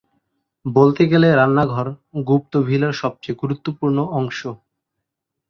বলতে গেলে রান্নাঘর গুপ্ত ভিলার সবচেয়ে গুরুত্বপূর্ণ অংশ।